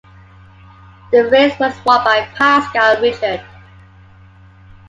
The race was won by Pascal Richard.